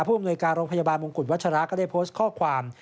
อำนวยการโรงพยาบาลมงกุฎวัชราก็ได้โพสต์ข้อความ